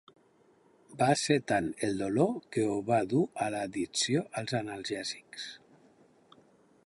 Va ser tant el dolor que ho va dur a l'addicció als analgèsics.